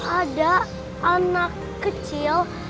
ada anak kecil